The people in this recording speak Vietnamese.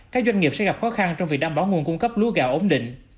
các doanh nghiệp sẽ gặp khó khăn trong việc đảm bảo nguồn cung cấp lúa gạo ổn định